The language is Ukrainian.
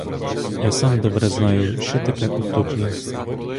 Я сам добре знаю, що таке утопія!